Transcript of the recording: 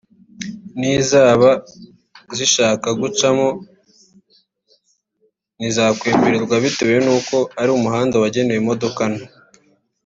nizaba zishaka gucamo zitakwemererwa bitewe n’uko ari umuhanda wagenewe imodoka nto